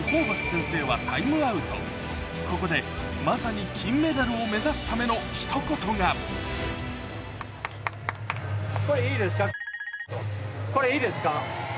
しかしここでまさに金メダルを目指すためのひと言がこれいいですか？